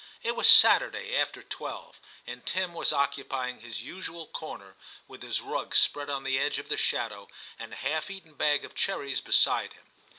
It was Saturday after twelve, and Tim was occupying his usual corner, with his rug spread on the edge of the shadow, and a half eaten bag of cherries beside him.